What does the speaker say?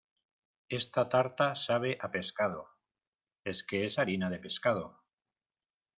esta tarta sabe a pescado. es que es harina de pescado